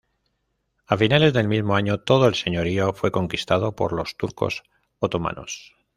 A finales del mismo año, todo el señorío fue conquistado por los turcos otomanos.